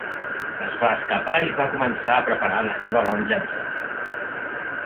Es va escapar i va començar a preparar la seva venjança.